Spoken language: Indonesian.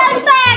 dengerin dulu ya